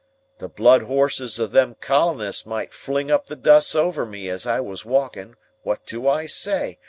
The blood horses of them colonists might fling up the dust over me as I was walking; what do I say?